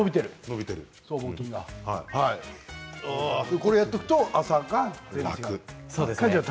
これをやっておくと朝が楽。